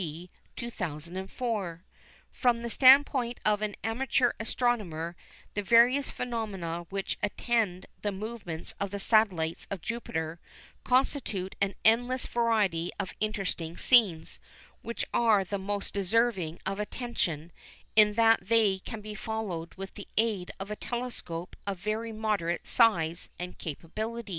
D. 2004. From the standpoint of an amateur astronomer the various phenomena which attend the movements of the satellites of Jupiter, constitute an endless variety of interesting scenes, which are the more deserving of attention in that they can be followed with the aid of a telescope of very moderate size and capabilities.